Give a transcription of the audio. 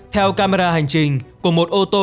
theo camera hành trình của một ô tô